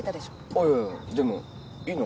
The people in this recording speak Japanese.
あっいやいやでもいいの？